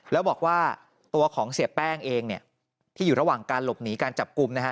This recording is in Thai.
แล้วบอกว่าตัวของเสียแป้งเองเนี่ยที่อยู่ระหว่างการหลบหนีการจับกลุ่มนะฮะ